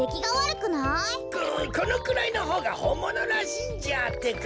このくらいのほうがほんものらしいんじゃってか。